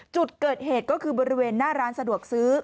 จุดเกิดเหตุก็คือบริเวณหน้าร้านสะดวกซื้อ